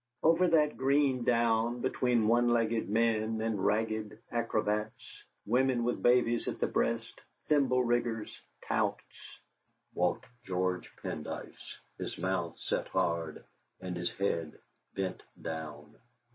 Over that green down, between one legged men and ragged acrobats, women with babies at the breast, thimble riggers, touts, walked George Pendyce, his mouth hard set and his head bent down.